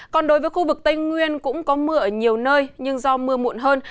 còn đối với khu vực tây nguyên cũng có mưa ở nhiều nơi nhưng do mưa muộn hơn